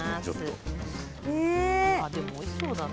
おいしそうだな。